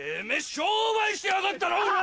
商売してやがったな